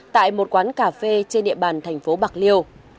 tại một quán cà phê trên địa bàn thành phố bạc liêu